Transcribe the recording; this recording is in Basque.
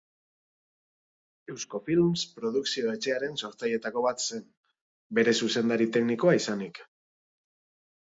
Eusko Films produkzio-etxearen sortzailetako bat zen, bere zuzendari teknikoa izanik.